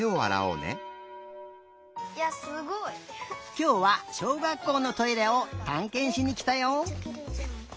きょうはしょうがっこうのトイレをたんけんしにきたよ。